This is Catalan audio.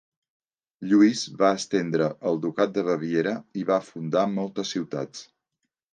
Lluís va estendre el ducat de Baviera i va fundar moltes ciutats.